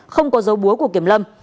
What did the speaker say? không có dấu búa của kiểm lâm